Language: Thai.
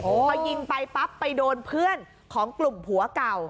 พอยิงไปปั๊บไปโดนเพื่อนของกลุ่มผัวเก่า